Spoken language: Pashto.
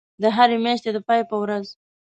د هری میاشتی د پای په ورځ